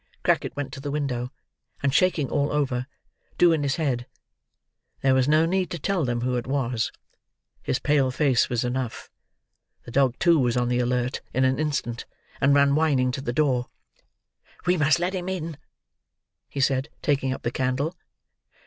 Crackit went to the window, and shaking all over, drew in his head. There was no need to tell them who it was; his pale face was enough. The dog too was on the alert in an instant, and ran whining to the door. "We must let him in," he said, taking up the candle.